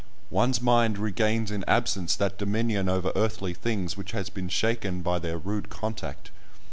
One's mind regains in absence that dominion over earthly things which has been shaken by their rude contact.